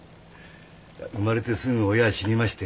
生まれてすぐ親死にましてね。